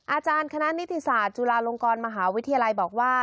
อาจารย์คณะนิติศาสตร์จุฬาลงกรมหาวิทยาลัยบอกว่า